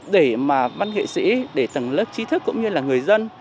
để mà văn nghệ sĩ để tầng lớp trí thức cũng như là người dân